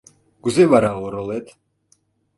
— Кузе вара оролет?